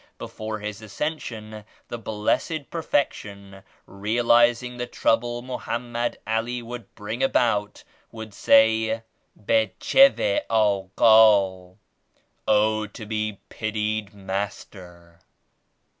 Before His Ascension, the Blessed Perfection realizing the trouble Mohammed Ali would bring about, would say "Becheveh Aghal" ("O to be pitied Master!")